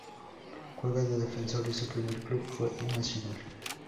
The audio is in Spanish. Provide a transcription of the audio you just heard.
Jugaba de defensor y su primer club fue el Nacional.